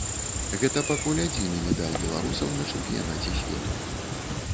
Гэта пакуль адзіны медаль беларусаў на чэмпіянаце свету.